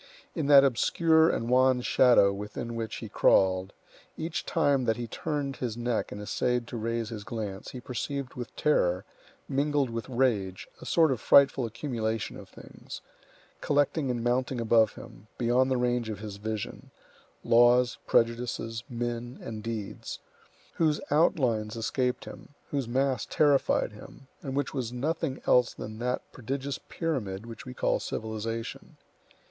In that obscure and wan shadow within which he crawled, each time that he turned his neck and essayed to raise his glance, he perceived with terror, mingled with rage, a sort of frightful accumulation of things, collecting and mounting above him, beyond the range of his vision,—laws, prejudices, men, and deeds,—whose outlines escaped him, whose mass terrified him, and which was nothing else than that prodigious pyramid which we call civilization.